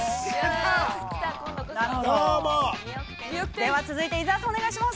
◆では続いて伊沢さん、お願いします。